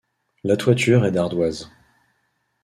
La toiture est d'ardoises.